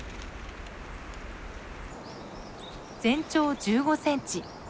全長１５センチ。